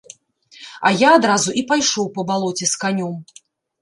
А я адразу і пайшоў па балоце з канём.